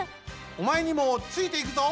おまえにもついていくぞ！